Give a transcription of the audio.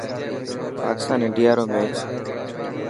پاڪستان انڊيا رو ميچ